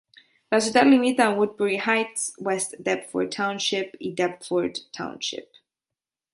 La ciutat limita amb Woodbury Heights, West Deptford Township i Deptford Township.